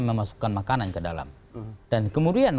memasukkan makanan ke dalam dan kemudian